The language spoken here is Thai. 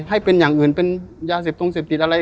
ให้เป็นอย่างอื่นเป็นยาเสพตรงเสพติดอะไร